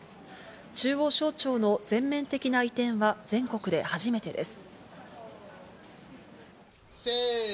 中央省庁の全面的な移転は全国で初めてです。